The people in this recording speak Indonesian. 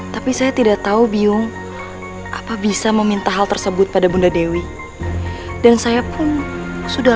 tapi saya tidak tahu biung apa bisa meminta hal tersebut pada bunda dewi dan saya pun sudah